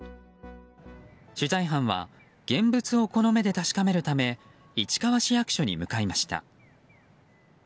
取材班は現物をこの目で確かめるため市川市役所に向かいました。